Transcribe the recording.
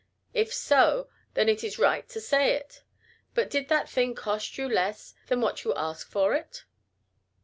If so, then it is right to say it. But did that thing cost you less than what you ask for it?